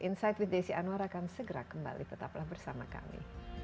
insight with desi anwar akan segera kembali tetaplah bersama kami